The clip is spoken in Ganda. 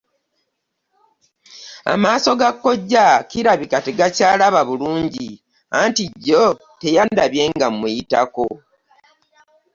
Amaaso ga kkojja kirabika tegakyalaba bulungi anti jjo teyandabye nga mmuyitako.